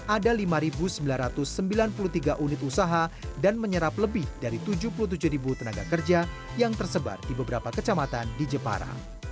ada lima sembilan ratus sembilan puluh tiga unit usaha dan menyerap lebih dari tujuh puluh tujuh tenaga kerja yang tersebar di beberapa kecamatan di jepara